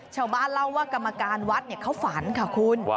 ชาวบ้านเล่าว่ากรรมการวัดเขาฝันค่ะคุณ